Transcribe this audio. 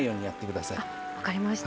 分かりました。